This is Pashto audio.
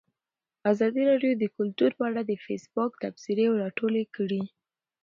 ازادي راډیو د کلتور په اړه د فیسبوک تبصرې راټولې کړي.